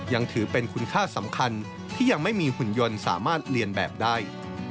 ยังถือเป็นคุณค่าสำคัญที่ยังไม่มีหุ่นยนต์สามารถเรียนแบบได้